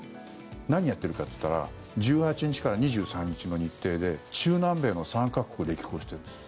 何をやってるかといったら１８日から２３日の日程で中南米の３か国を歴訪してるんです。